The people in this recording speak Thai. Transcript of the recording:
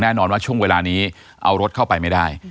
แน่นอนว่าช่วงเวลานี้เอารถเข้าไปไม่ได้